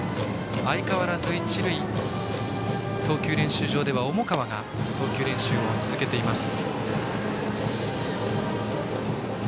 相変わらず一塁投球練習場では重川が投球練習を続けています。